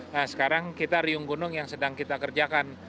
nah sekarang kita riung gunung yang sedang kita kerjakan